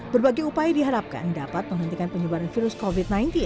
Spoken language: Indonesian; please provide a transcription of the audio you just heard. berbagai upaya diharapkan dapat menghentikan penyebaran virus covid sembilan belas